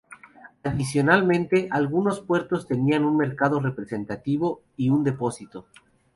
Adicionalmente, algunos puertos tenían un mercado representativo y un depósito.